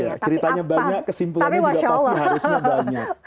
iya ceritanya banyak kesimpulannya juga pasti harusnya banyak